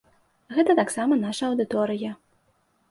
Гэта таксама наша аўдыторыя.